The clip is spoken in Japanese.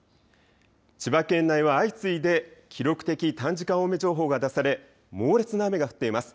千葉県内は相次いで記録的短時間大雨情報が出され猛烈な雨が降っています。